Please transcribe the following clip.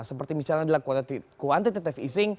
seperti misalnya kuantitet fis